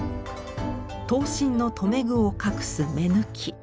刀身の留め具を隠す「目貫」。